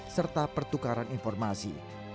serta pertukaran informasi